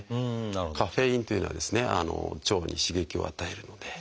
カフェインというのは腸に刺激を与えるので。